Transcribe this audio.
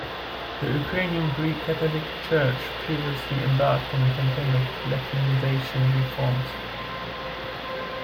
The Ukrainian Greek Catholic Church previously embarked on a campaign of de-Latinization reforms.